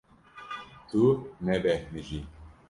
Tu nebêhnijî.